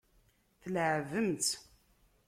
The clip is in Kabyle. Tleεεbem-tt.